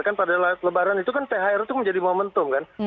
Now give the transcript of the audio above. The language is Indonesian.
kan pada lebaran itu kan thr itu menjadi momentum kan